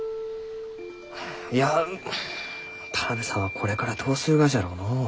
いや田邊さんはこれからどうするがじゃろうのう？